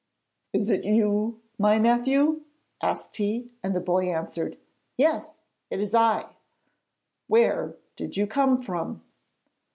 'Is it you, my nephew?' asked he, and the boy answered: 'Yes; it is I.' 'Where did you come from?'